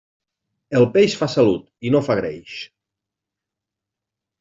El peix fa salut i no fa greix.